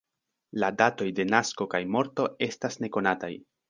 La datoj de nasko kaj morto estas nekonataj.